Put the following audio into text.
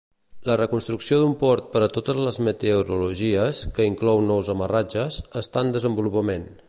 La reconstrucció d'un port per a totes les meteorologies, que inclou nous amarratges, està en desenvolupament.